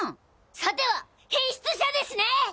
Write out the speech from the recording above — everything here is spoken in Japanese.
さては変質者ですね！